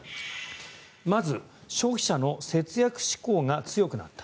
まず、消費者の節約志向が強くなった。